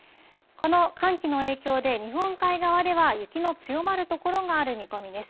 この寒気の影響で、日本海側では雪の強まる所がある見込みです。